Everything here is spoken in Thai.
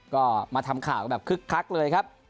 ก็มาทำข่าวแบบคึกคักเลยครับ